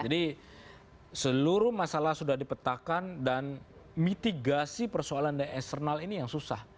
jadi seluruh masalah sudah dipetakan dan mitigasi persoalan di eksternal ini yang susah